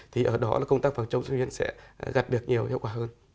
thì ở đó là công tác phòng chống sốt huyết sẽ gạt được nhiều hiệu quả hơn